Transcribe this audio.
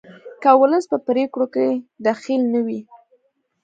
که ولس په پریکړو کې دخیل نه وي